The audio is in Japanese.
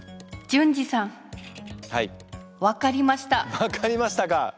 分かりましたか。